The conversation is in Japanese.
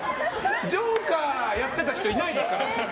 ジョーカーやってた人いないですから。